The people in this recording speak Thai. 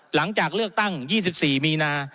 หลังจากเลือกตั้ง๒๔มีนา